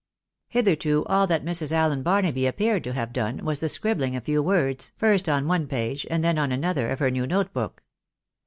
Hitherto all that Mrs. AUen Barnaby appeared to have done was the scribbhng a few words, first on one page and then on another, of her new note book.